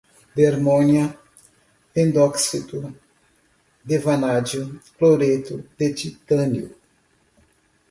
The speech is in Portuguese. eletrólitos, cloreto de sódio, polifosfato, nitrato de armônia, pentóxido de vanádio, cloreto de titânio